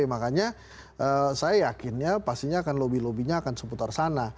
makanya saya yakinnya pastinya akan lobby lobbynya akan seputar sana